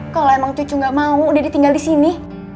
kalau emang cucu gak mau dede tinggal di sini